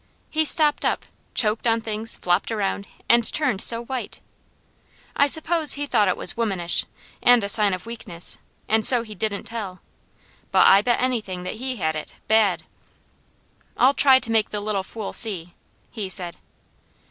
He stopped up, choked on things, flopped around, and turned so white. I suppose he thought it was womanish, and a sign of weakness, and so he didn't tell, but I bet anything that he had it bad! "I'll try to make the little fool see!" he said.